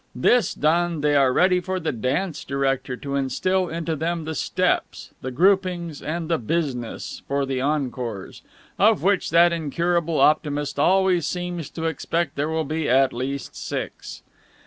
This done, they are ready for the dance director to instil into them the steps, the groupings, and the business for the encores, of which that incurable optimist always seems to expect there will be at least six.